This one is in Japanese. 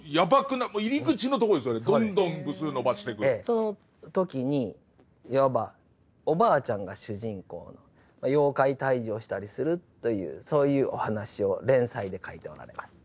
その時にいわばおばあちゃんが主人公の妖怪退治をしたりするというそういうお話を連載で描いておられます。